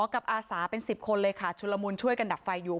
อาสาเป็น๑๐คนเลยค่ะชุลมุนช่วยกันดับไฟอยู่